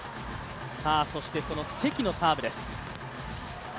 そしてその関のサーブです。